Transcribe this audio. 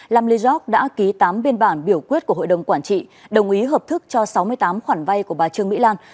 lam lê giọc đã ký tám biên bản biểu quyết của hội đồng quản trị đồng ý hợp thức cho sáu mươi tám khoản vay của bà trương mỹ lan